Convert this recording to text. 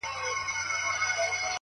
د په زړه کي اوښکي، د زړه ویني – ويني,